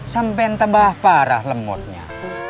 sampai tembah parah lemotnya